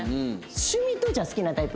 趣味とじゃあ好きなタイプ。